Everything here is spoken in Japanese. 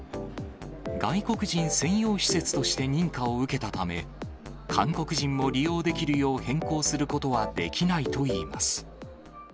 外国人専用施設として認可を受けたため、韓国人も利用できるよう変更することはできないといいます。